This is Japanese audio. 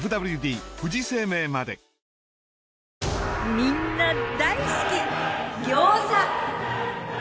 みんな大好き餃子。